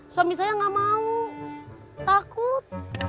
suami saya nggak mau takut